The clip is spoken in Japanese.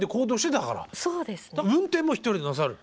だから運転も一人でなさる。